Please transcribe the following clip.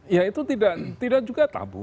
ya itu tidak juga tabu